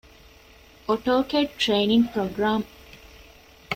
އޮޓޯކެޑް ޓްރެއިނިންގ ޕްރޮގްރާމް